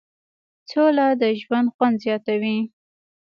سوله د ژوند خوند زیاتوي.